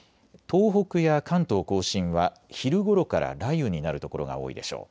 東北や関東甲信は昼ごろから雷雨になるところが多いでしょう。